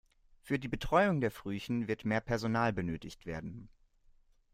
Für die Betreuung der Frühchen wird mehr Personal benötigt werden.